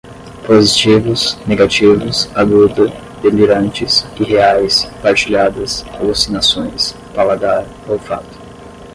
positivos, negativos, aguda, delirantes, irreais, partilhadas, alucinações, paladar, olfato